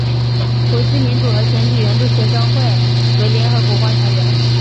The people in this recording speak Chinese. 国际民主和选举援助学会为联合国观察员。